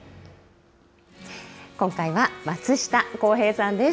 今回は松下洸平さんです。